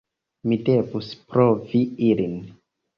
Mi devus provi ilin.